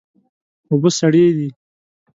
اوبه سړې دي.